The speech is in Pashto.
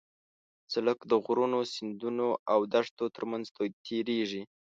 سړک د غرونو، سیندونو او دښتو ترمنځ تېرېږي.